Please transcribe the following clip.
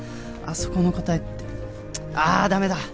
そこの答えってあっダメだ！